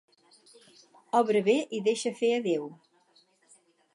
Obra bé i deixa fer a Déu.